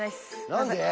何で？